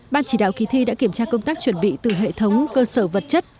ban chỉ đạo kỳ thi đã kiểm tra công tác chuẩn bị từ hệ thống cơ sở vật chất